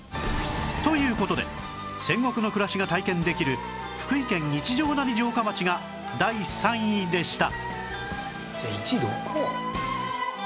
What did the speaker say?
という事で戦国の暮らしが体験できる福井県一乗谷城下町が第３位でした